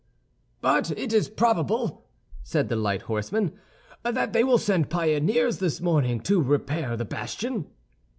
"But it is probable," said the light horseman, "that they will send pioneers this morning to repair the bastion."